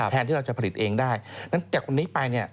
แทนที่เราจะผลิตเองได้จากวันนี้ไปเนี่ย